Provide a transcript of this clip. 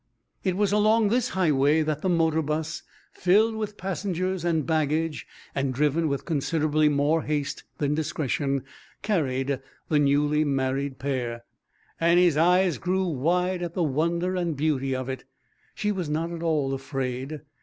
It was along this highway that the motor bus, filled with passengers and baggage and driven with considerably more haste than discretion, carried the newly married pair. Annie's eyes grew wide at the wonder and beauty of it. She was not at all afraid.